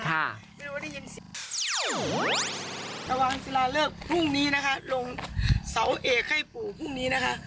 กระวังศิลาเริกพรุ่งนี้นะคะลงเสาเอกให้ปู่พรุ่งนี้นะคะ